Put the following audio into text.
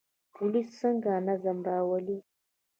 پولیس څنګه نظم راولي؟